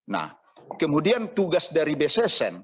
nah kemudian tugas dari bssn